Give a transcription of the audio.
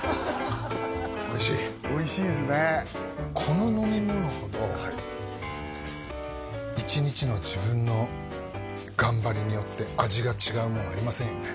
おいしいおいしいっすねこの飲み物ほど１日の自分の頑張りによって味が違うものありませんよね